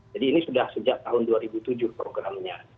jadi ini sudah sejak tahun dua ribu tujuh programnya